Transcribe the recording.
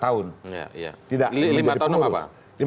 lima tahun tidak jadi pengurus